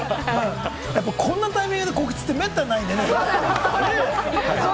こんなタイミングで告知ってめったにないんでね。